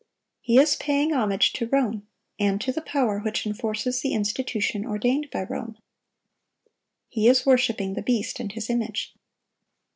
He is paying homage to Rome, and to the power which enforces the institution ordained by Rome. He is worshiping the beast and his image.